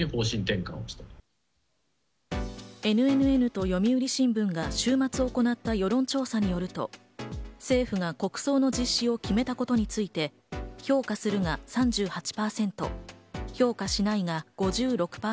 ＮＮＮと読売新聞が週末行った世論調査によると、政府が国葬の実施を決めたことについて、評価するが３８％、評価しないが５６％。